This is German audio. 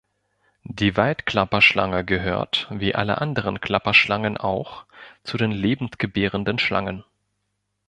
Die Wald-Klapperschlange gehört, wie alle anderen Klapperschlangen auch, zu den lebendgebärenden Schlangen.